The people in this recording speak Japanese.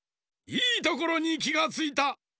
いいところにきがついた！